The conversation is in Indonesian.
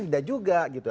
tidak juga gitu